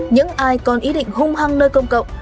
những ai còn ý định hung hăng nơi công cộng